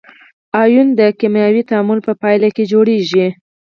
ایون د کیمیاوي تعامل په پایله کې جوړیږي.